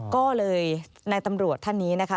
ก็เลยนายตำรวจท่านนี้นะคะ